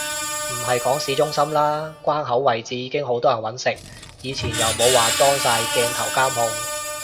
唔係講市中心啦，關口位置已經好多人搵食，以前又冇話裝晒鏡頭監控